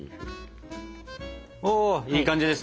いい感じですね。